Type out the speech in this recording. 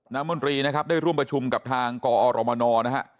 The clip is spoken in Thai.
มนตรีนะครับได้ร่วมประชุมกับทางกอรมนนะฮะ